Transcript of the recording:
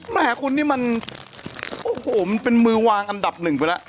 แม่คุณนี่มันโอ้โหมันเป็นมือวางอันดับหนึ่งไปแล้ว